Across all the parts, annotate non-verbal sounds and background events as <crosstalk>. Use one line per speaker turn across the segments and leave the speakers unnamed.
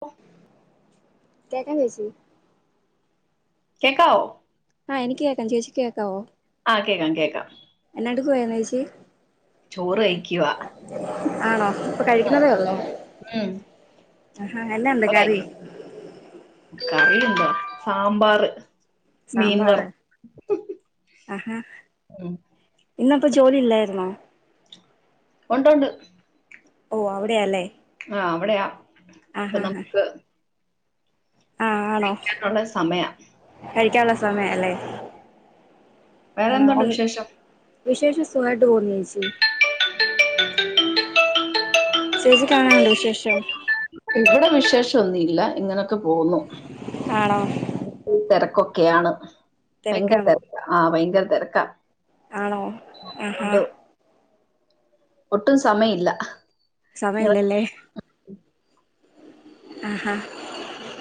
വ
കക്കെ കച്ചു
കേക്കാവോ
ആ എനിക്ക് കേൾക്കാം ചേച്ചി കേക്കാവോ
കേൾക്കാം കേക്കാം
എന്നാടക്ക് പോയന്ന് ചേച്ചി
ചോറ് കഴിക്കുവാ
ആണോ ഇപ്പൊ കഴിക്കുന്നതേ ഉള്ളോ
ഉം
ആഹാ എന്നാ എന്ത
ഇപ്പൊ കഴി-
കറി
സാമ്പാറ് മീൻ
സാമ്പാറ്
വറുത്ത
ആഹാ ഇന്നപ്പ ജോലി ഇല്ലായിരുന്നോ
ഉണ്ടുണ്ട്
ഓ അവിടെയാല്ലേ
ആ അവിടെയാ ഇപ്പൊ
ആഹാ ഹാ
നമുക്ക്
ആഹ് ആണോ
<unintelligible> സമയാ
കഴിക്കാനുള്ള സമയാല്ലേ ആഹ്
വേറെന്തുണ്ട്
ഒന്ന്
വിശേഷം?
വിശേഷം. സുഖായിട്ട് പോവുന്നു ചേച്ചീ ചേച്ചി കാണാനുണ്ടൊ വിശേഷം
ഇവടെ വിശേഷൊന്നും ഇല്ല ഇങ്ങന ക്കെ പോവുന്നു
ആണോ
തെരക്കൊ ക്കെയാണ്. ഭയങ്കര
തിരക്കാണോ
തെരക്ക്. ആ ഭയങ്കര തെരക്കാ.
ആണോ ആഹാ
ഒട്ടും സമയ ഇല്ല.
സമയല്ലല്ലേ ആഹാ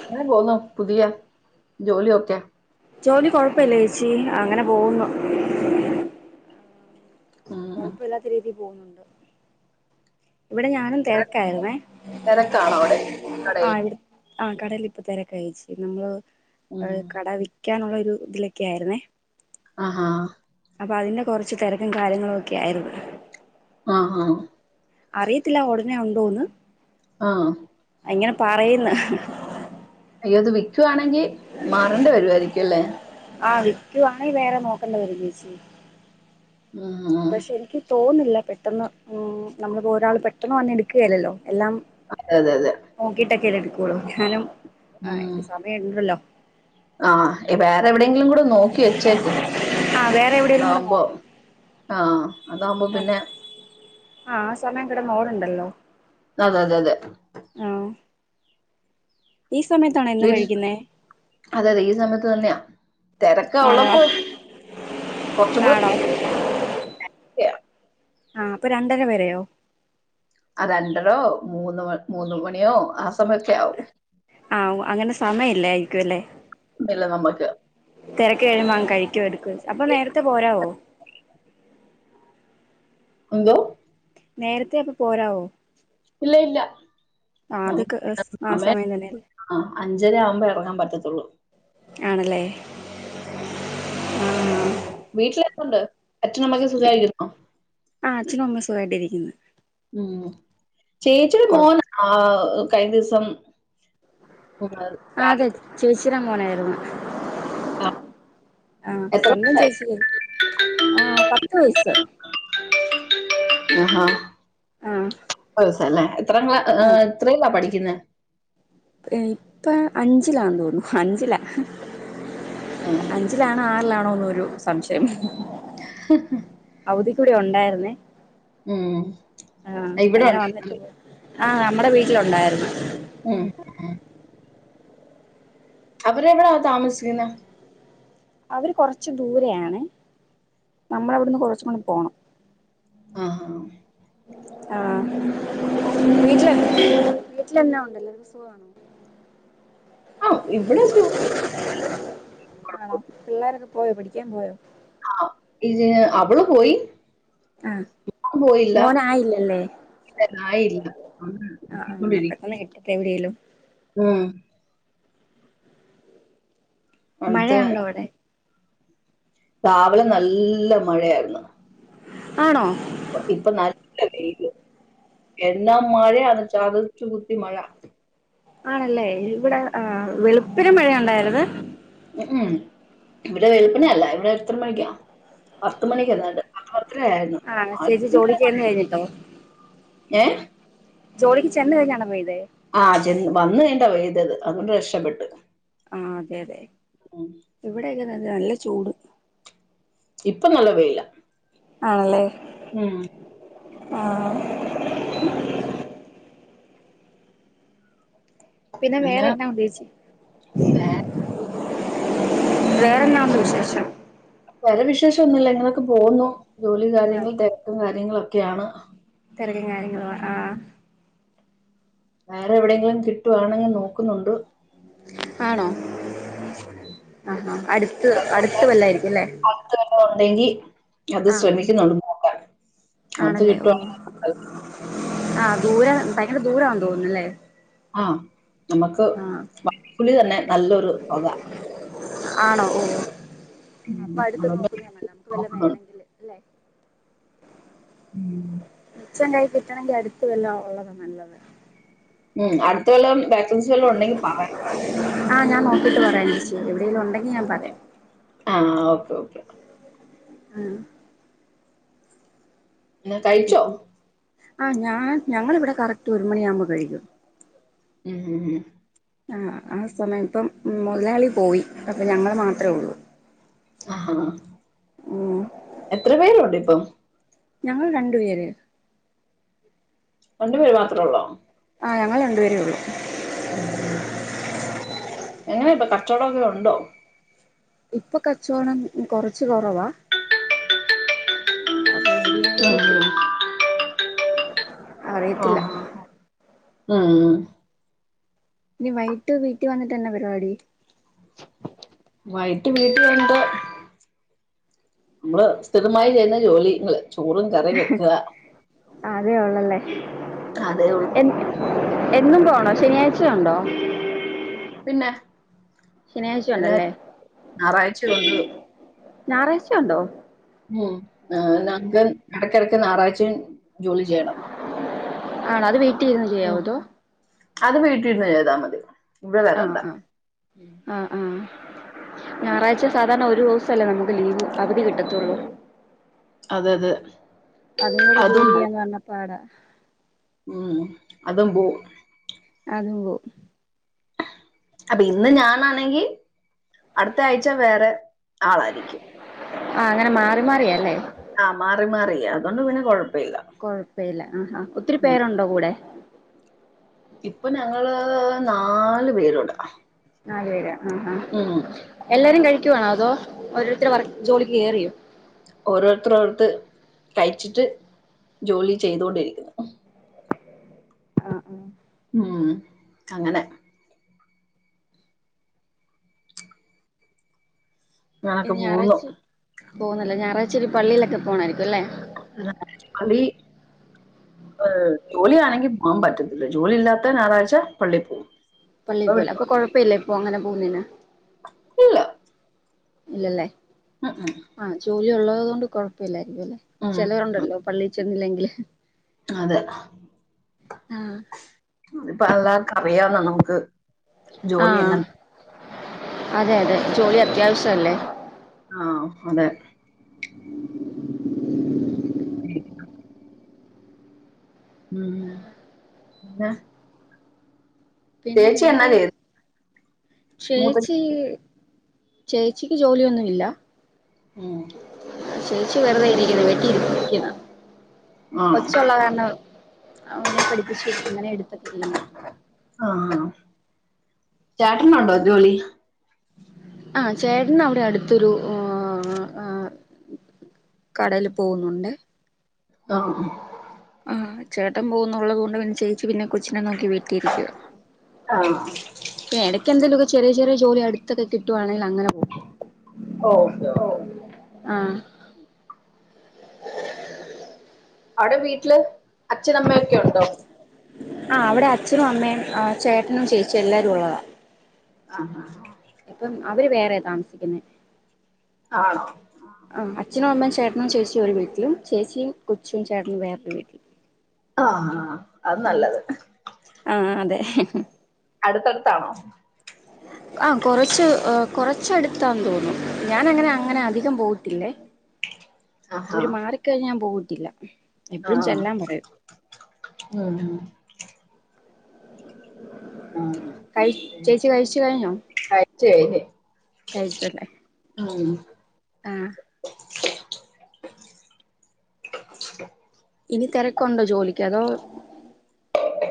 എങ്ങനെ പോവുന്നു പുതിയ ജോലി ഒക്കെ
ജോലി കൊഴപ്പല്ല ചേച്ചി. അങ്ങനെ പോവുന്നു.
ഉം.
കുഴപ്പല്ലാത്ത രീതി പോവുന്നുണ്ട് ഇവിടെ ഞാനും
തിര-
തിരക്കായിരുന്നേ
തിരക്കാണോ അവിടെ
ആ
കടയിൽ
വിട് ആഹ് കടലിപ്പ തെരക്കാ എച്ചി നമ്മള്
ഉം.
അഹ് കട വിക്കാ ക്യാനുള്ള ഒരു ഇതിലൊക്കെ ആയിരുന്നേ
ആ ആ
അപ്പൊ അയിന്റെ കൊറച്ച് തെരക്കും കാര്യങ്ങളും ഒക്കെ ആയിരുന്നു.
ആഹ് ആഹ്
അറിയത്തില്ല ഉടനെ ഉണ്ടോന്ന്.
ആ ആ
ഇങ്ങനെ പറയിന്ന്.
അയ്യോ ത് വിക്കുവാണെങ്കിൽ മാറേണ്ടി വരുവായിരിക്കും അല്ലേ.
ആ വിക്കുവാണെങ്കിൽ വേറെ നോക്കേണ്ടി വരും ചേച്ചി.
ഉം ഉം
പക്ഷെ എനിക്ക് തോന്ന് ല്ല പെട്ടോന്ന് ഉം നമ്മളിപ്പോ ഒരാള് പെട്ടോന്ന് വന്ന്‌ എടുക്കേല്ലല്ലോ. എല്ലാം
അതെ അതെ അതെ
നോക്കിട്ടെക്കെ എ <unintelligible> ഞാനും ആ എനിക്ക് സമയം ഉണ്ടല്ലോ
ആ വേ എവിടെയെങ്കിലും കൂടെ നോക്കി വെച്ചേക്ക്
ആ വേറെ എവിടെലും കൂടെ
ഇതാവുമ്പോ
നോക്കണം
ആ അതാവുമ്പോ പിന്നെ
ആ ആ സമയം കിടന്നോടണ്ടല്ലോ
അതെ അതെ അതെ
ഈ സമയത്താണോ എന്നും കഴിക്കുന്നേ
അതെ അതെ ഈ സമയത്ത് തന്നെയാ തിരക്കാ
ആണോ
ഉള്ളപ്പോ കൊറച്ചും കൂടെ <inaudible>
ആണോ ആ അപ്പൊ രണ്ടര വരെയോ
അത് രണ്ടരോ മൂന്ന് മ മൂന്ന് മണിയോ ആ സമയൊക്കെ ആവും
ആ അങ്ങനെ സമയല്ലാ ആയിരിക്കും അല്ലെ
ഇല്ല നമ്മക്ക്
തിരക്ക് എഴുമ്പ അങ്ങ് കഴി <unintelligible> അപ്പൊ നേരത്തെ പോരവോ
എന്തോ
നേരത്തെ അപ്പൊ പോരാവോ
ഇല്ല ഇല്ല
ആ അത്
നമുക്ക്
ആ
അ
സമയം തന്നെയല്ലേ
ആ അഞ്ചര ആവുമ്പോ ഇറങ്ങാൻ പറ്റത്തോള്ളൂ
ആണല്ലേ ആ
വീട്ടിലെക്കുണ്ട് അച്ഛനും അമ്മയ്ക്കും സുഖമായിട്ടു ഇരിക്കുന്നോ
പിന്നെ
ഉം ചേച്ചിടൊരു മോന് ആ ആ കഴിഞ്ഞ ദിവസം ഉം,
അ അതെ
സ്റ്റാറ്റസ്
ചേച്ചിട മോനാ അ
ആ,
ആ
എത്ര
സ്വന്തം
വയസ്സായി
ചേച്ചി ആ പത്ത് വയസ്സ്
ആ ഹാ
ആ
അല്ലേ ത്രങ്ങള
ആ
എത്രലാ പഠി അകന്ന <unintelligible>
ഇപ്പൊ അഞ്ചിലാന്ന് തോന്നു അഞ്ചിലാ അഞ്ച് ലാ ആറിലാണോന്നരു സംശയം
ആ
അവധിിക്കൂടെ ഉണ്ടായിരുന്നേ
ഉം ഇവിടെണ്ട
ആഹ നമ്മടെ വീട്ടിലുണ്ടായിരുന്നു
ഉം അവര് എവിടാ താമസിക്കുന്ന
അവര് കൊറച്ച് ദൂരെയാണ് നമ്മള അവിടുന്ന് കൊറച്ച മൂടി പോണം
ആ
ആഹ ബേ വീട്ടിലന്നാ ഉണ്ടല്ലോ സുഖമാണോ
ആ ഇവിടെ സു-
ആണോ പിള്ളോരൊക്കെ പോയോ പിഠിക്കാൻ പോയോ
ആ ഇത് അവള് പോയി
ആഹ്
ഞാൻ പോയില്ല
മോന ആയില്ലല്ലേ
ആയില്ല
ആ ആഹ് അപ്പക്കന്ന് കിട്ടട്ട എവിടെലും
ആഹ
മഴയ ഉണ്ടോ അവിടെ
രാവലെ നല്ല മഴയായിരുന്നു
ആണോ
ഇപ്പ ഇപ്പൊ ന എന്നല്ലാ മഴയന്ന് ച അതച്ചു കുത്തിി മഴ
ആണല്ലേ ഇവിടെ ആ വെളുപ്പര മഴയ ഉണ്ടായിരുന്നു
ഉം ഇവിടെ വളുപ്പനയല്ല ഇവിടെ എത്ര മണിക്കാ പത്ത് മണിക്ക്ണ്ട് അത്രയായിരുന്നു
ആ ചേച്ചി ജോലിക്ക് ചെന്ന് കഴിഞ്ഞിട്ടോ
ഏ
ജോലിക്ക് ചെന്ന കഴഞ്ഞാണ് വേത്
ആഹ് വന്നു വണ്ട വ അത് അതുകൊണ്ട് രക്ഷപ്പെട്ട്
ആഹ അതെ അതെ
ഉം
ഇവിടെക്ക അ നല്ല ചൂട്
ഇപ്പൊ നല്ല വല
ആണല്ലേ
ആം
ആഹ
ഉ
പിന്നെ വേറെന്നാ ഉദ്ദേേച്ചി
വേ
വേറെ നാാം വിശേഷം
വേറെ വിശേഷം ഒന്നുല്ല ഇങ്ങനെ ഒക്കെ പോകുന്നു ജോലി
ആഹ്
കാര്യങ്ങൾ തെര്ക്കും കാ കാര്യങ്ങളൊക്കെയാണ്
തെരക്കും കാര്യങ്ങളും ആ
വേറെ എവിടെയെങ്കിലും കിട്ടുവാണെങ്കി നോക്കുന്നുണ്ട്
ആണോ ആ അടുത്ത്
വേറെ
അടുത്ത്
നമ്മുടെ
വല്ലായിരിക്കും ല്ലേ
അടുത്ത് <unintelligible> അത് ശ്രമിക്കുന്നുണ്ട് നോക്കാം അടുത്ത് കിട്ടു
ആ ദൂര ഭയങ്കര ദൂരന്ന് തോന്നുന്നുല്ലേ
ആ നമുക്ക് വക്കുള്ളി തന്നെ നല്ലൊരു പക
ആണോ ഓ അപ്പൊ
ഉം
അടുത്ത്
അതുകൊണ്ട്
നോക്കുന്നെ നല്ല നമുക്ക് വല്ല
നോക്കുന്നുണ്ട്
വേണങ്കില് അല്ലെ
ഉം
കിട്ടണങ്കി അടുത്ത് വല്ല ഒള്ളതാ നല്ലത്
ഉം അടുത്തുല്ലോ <unintelligible>
ക്കീട്ട് പറയാം ചേച്ചി എവിടെലും ഉണ്ടെങ്കി ഞാൻ പറയാം
ആ ഓക്കേ ഓക്കേ
മ്
എന്നാ കഴിച്ചോ
ആ ഞാൻ ഞങ്ങളിവിടെ കറക്റ്റ് ഒരു മണിയ ആവുമ്പോ കഴിക്കും
ഉം ഉം
ആഹ ആ സമയം ഇപ്പം മൊതലാളി പോയി അപ്പൊ ഞങ്ങള് മാത്രേ ഉള്ളൂ.
ആ
ഉം
എത്ര പേരുണ്ട്? ഇപ്പം
ഞങ്ങൾ രണ്ടു പേര്
രണ്ടു പേര് മാത്രേ ഒള്ളോ
ആ ഞങ്ങൾ രണ്ടു പേരെ ഒള്ളു
ഉം ഉം എങ്ങനെ ഇപ്പൊ കച്ചോടൊക്കെ ഉണ്ടോ?
ഇപ്പൊ കച്ചവടം കൊറച്ച് കൊറവാ <unintelligible>
ഉം
വരുവായിരിക്കും
ഉം
അറിയത്തില്ല
ആഹാ <unintelligible>
ഇനി വൈകിട്ട് വീട്ടിൽ വന്നിട്ട്ന്നെ പരിപാടി
വൈട്ട് വീട്ടിൽ കണ്ട നമ്മള് സ്ഥിരമായി ചെയ്യുന്ന ജോലിങ്ങള്
അതേ ഉള്ളല്ലേ
അതേ ഉള്ളൂ
എ എന്നും പോണോ ശനിയാഴ്ച ഉണ്ടോ
പിന്നെ
ശനിയാഴ്ച
പിന്നെ
ഉണ്ടല്ലേ
ഞായറാഴ്ചുണ്ട്
ഞായറാഴ്ച്ചണ്ടോ
ഉ നങ്കൻ ഇടക്കിടക്ക് ഞായറാഴ്ചയും ജോലി ചെയ്യണം
ആണോ അത് വെയിറ്റ് ചെയ്ുന്ന
ഉം
ചെയ്യാവതോ
അത് വീട്ടിരുന്ന് ച്താൽ മതി ഇ
ആ
വേരണ്ടാ
ആ ആ ആ ഞായറാഴ്ച സാധാരണ ഒരു ദിവസല്ലേ നമുക്ക് ലീവ് അവധി കിട്ടത്തുള്ളൂ
അതെ അതെ
അതും കൂടെ ജോലി ാങ്ങ വന്നപ്പാ ആട
ഉം അത പോ
അതോ
അപ്പൊ ഇന്ന് ഞാനാണെങ്കിൽ അടുത്ത ആഴ്ച വേറെ ആളായിരിക്കും
ആഹ അങ്ങനെ മാറി മാറിയല്ലേ
കൊൊണ്ട് പിന്നെ കുഴം
കൊഴപ്പില്ല ആഹാ ഒത്തിരി പേരുണ്ടോ കൂടെ
ഇപ്പൊ ഞങ്ങ ങ്ങള് നല്ു പേരുട
നാല് പേരാണ് ഉം ഹ എല്ലാരും കഴിക്കുവാണോ അതോ ഓോരുത്തടെ വർ ജോലിക്ക് കയറിയോ
ഓരോരുത്തരോർത്ത് കഴിച്ചിട്ട് ജോലി ചെയ്തൊണ്ടിരിക്കുന്നു
ആഹ ആഹ
ഉ അങ്ങനെ അങ്ങനൊക്കെ
ഇനി
പോകുന്നു
ഞായറാഴ്ച പോകുന്നില്ല ഞായറാഴ ച്ചിരി പള്ളിയിലൊക്കെ പോണായിരിക്കുംല്ലെ
പി ഏ ജോലിാണെങ്കി പോകാൻ പറ്റത്തില്ല ജോലി ഇല്ലാത്ത ഞായറാഴ്ച പള്ളി പോവും
പള്ളി പോലെ അപ്പൊ കൊഴപ്പമില്ലല്ല ഇപ്പൊ അങ്ങനെ പോനന
ഇല്ല
ഇല്ലല്ലേ ആഹ ജോലിയള്ള കൊണ്ട് കുഴപ്പമില്ല െ
ഉം
ചിലവരുണ്ടല്ലോ പള്ളി ചെരുന്നെങ്ക ലെ
അതെ അ
ആഹ്
പാല അറിയാം നമുക്ക് ജോലി
ആഹ്
എങ്ങനെ
ല്ലേ
ആ അതെ <unintelligible> മ്
പിന്നെ വേറെ
മൂത്ത
ചേച്ചി ചേച്ചിക്ക് ജോലിയൊന്നുമില്ല
മ്
ചേച്ചി വെറുതെ ഇരിക്കുന്നു വീട്ടിലിരിക്കുന്നു
ആണോ
കൊച്ചുള്ളോണ്ടാണ് അവനെ പഠിപ്പിച്ചു അങ്ങനെ എടുത്ത് ഇരിക്കുന്നു
ചേട്ടന് ഉണ്ടോ ജോലി
ആ ചേട്ടൻ അവിടെ അടുത്തൊരു ഓ കടയിൽ പോകുന്നുണ്ട്
ആ
ആ ചേട്ടൻ പോകുന്നുള്ളത് കൊണ്ട് പിന്നെ ചേച്ചി പിന്നെ കൊച്ചിനെ നോക്കി വീട്ടിലിരിക്കുവാ
ആഹ്
പിന്നെ ഇടക്ക് എന്തേലൊക്കെ ചെറിയ ചെറിയ ജോലി അടുത്തൊക്കെ കിട്ടുവാണെങ്കിൽ അങ്ങനെ പോകും
ഓക്കെ ഓക്കെ
ആ
അവിടെ വീട്ടില് അച്ഛനമ്മയ ഒക്കെ ഉണ്ടോ
ആ അവിടെ അച്ഛനും അമ്മയും ആ ചേട്ടനും ചേച്ചിയും എല്ലാരും ഉള്ളതാ
ആ ആ
ഇപ്പം അവര് വേറെയാ താമസിക്കുന്നേ
ആണോ ആ
ആഹ് അച്ഛനും അമ്മയും ചേട്ടനും ചേച്ചിയും ഒരു വീട്ടിലും ചേച്ചി കൊച്ചും ചേട്ടനും വേറൊരു വീട്ടിലും
ആഹ് ആഹ് അത് നല്ലത്
ആ ആണ് അതെ
അടുത്തടുത്താണോ
ആ കൊറച്ച് കൊറച്ചടുത്താണ് തോന്നുന്നു ഞാാനങ്ങനെ അങ്ങനെ അധികം പോവത്തില്ല ഇവര് മാറിക്കഴിഞ്ഞാ ഞാൻ പോകും ഇല്ല
ആ ആ മ് മ് ആ
കഴി ചേച്ചി കഴിച്ചു കഴിഞ്ഞോ
കഴിച്ചു കഴിഞ്ഞ്
കഴിച്ചല്ലേ
ഉം
ആഹ് ഇനി തെരക്കുണ്ടോ ജോലിക്ക് അതോ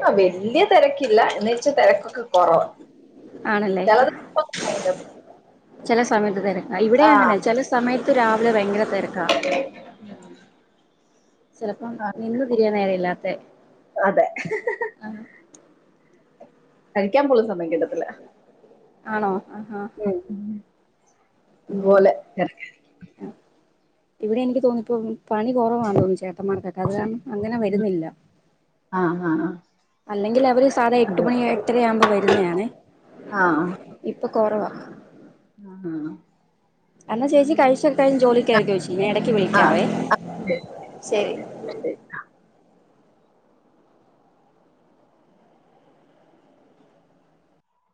ആഹ് വലിയ തെരക്കില്ല എന്ന് വെച്ചാ തിരക്കൊ കൊറവാ
ആണല്ലേ
<unintelligible>
ചെല സമയത്ത് തെര ഇവിടെ അങ്ങനെ
ആഹ്
ചെല സമയ തു രാവിലെ ഭയങ്കര തിരക്കാ ചെലപ്പം നിന്ന് തിരിയാൻ നേരയില്ലാത്ത
അതെ
ആഹ്
കഴിക്കാൻ പോലും സമയം കിട്ടത്തില്ല
ആണോ അഹാ
തുപോലെ
ഇവിടെ എനിക്ക് തോന്നിപ്പോകും പണി കൊറവാണെന്നു തോന്നുന്നു ചേട്ടന്മാർക്കൊക്കെ അത് കാരണം അങ്ങനെ വരുന്നില്ല.
ആഹ് ആഹ്
അല്ലെങ്കിൽ അവര് സാധാ എട്ട്
അതെ
മണി എട്ടരയാവുമ്പോൾ വരുന്നെയാണേ ഇപ്പ കൊറവ
ഉം
അന്ന ചേച്ചി കഴിച് ജോലിക്കായിരിക്കും ചേച്ചി എടക്ക്
ആഹ്
വിളിക്കാവേ.
ശരി
ശെരി
ശരി